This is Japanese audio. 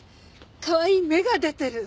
かわいい芽が出てる。